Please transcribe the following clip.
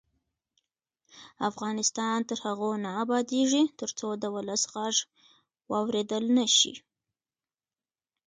افغانستان تر هغو نه ابادیږي، ترڅو د ولس غږ واوریدل نشي.